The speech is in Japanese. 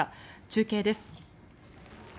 中継です。